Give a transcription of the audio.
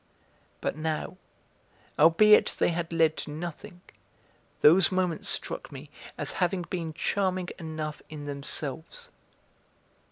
But now, albeit they had led to nothing, those moments struck me as having been charming enough in themselves.